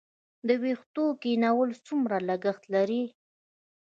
د ویښتو کینول څومره لګښت لري؟